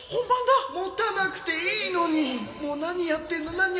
持たなくていいのにもう何やってんの何やってん